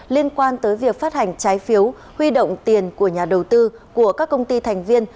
liên quan tới việc phát hành trái phiếu huy động tiền của nhà đầu tư của các công ty thành viên